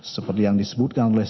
seperti yang disebutkan oleh